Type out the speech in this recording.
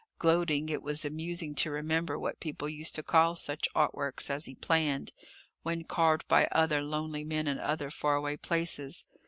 Gloating, it was amusing to remember what people used to call such art works as he planned, when carved by other lonely men in other faraway places.